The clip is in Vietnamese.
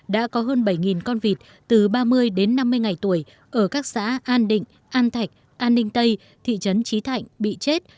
đã có hơn bảy con vịt từ ba mươi đến năm mươi ngày tuổi ở các xã an định an thạch an ninh tây thị trấn trí thạnh bị chết